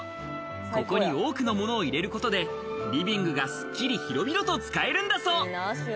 ここに多くのものを入れることでリビングがすっきり広々と使えるんだそう。